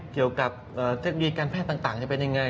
เกี่ยวกับเทคโนโลยีการแพทย์ต่างจะเป็นยังไง